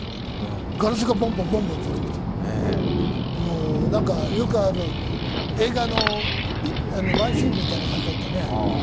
ガラスがボンボン飛んできて、なんかよくある映画の１シーンみたいな感じだったね。